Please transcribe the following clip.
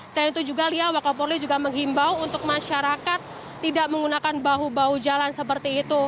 selain itu juga lia wakapolri juga menghimbau untuk masyarakat tidak menggunakan bahu bahu jalan seperti itu